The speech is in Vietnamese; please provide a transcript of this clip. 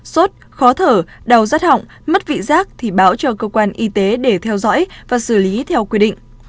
sốt khó thở đau rắt họng mất vị giác thì báo cho cơ quan y tế để theo dõi và xử lý theo quy định